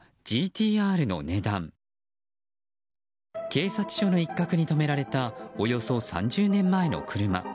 警察署の一角に止められたおよそ３０年前の車。